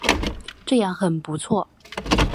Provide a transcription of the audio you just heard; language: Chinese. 这样很不错